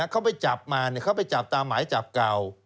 เขาไปจับมาเขาไปจับตามหมายจับเก่า